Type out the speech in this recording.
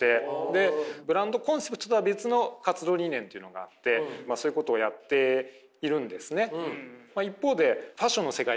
でブランドコンセプトとは別の活動理念というのがあってそういうことをやっているんですね。